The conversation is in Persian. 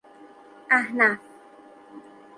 احنف